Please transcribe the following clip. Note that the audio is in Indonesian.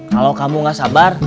kalau kamu nggak sabar